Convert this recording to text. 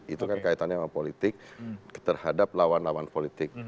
itu kan kaitannya dengan politik terhadap lawan lawan politik